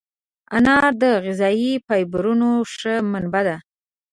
انار د غذایي فایبرونو ښه منبع ده.